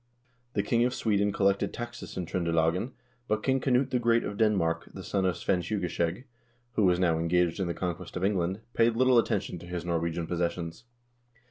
The king of Sweden collected taxes in Tr0nde lagen, but King Knut the Great of Denmark, the son of Svein Tjuge skjeg, who was now engaged in the conquest of England, paid little attention to his Norwegian possessions.